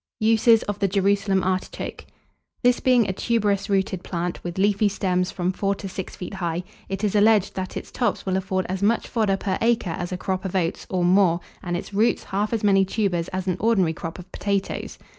USES OF THE JERUSALEM ARTICHOKE. This being a tuberous rooted plant, with leafy stems from four to six feet high, it is alleged that its tops will afford as much fodder per acre as a crop of oats, or more, and its roots half as many tubers as an ordinary crop of potatoes.